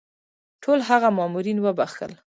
ټول هغه مامورین وبخښل.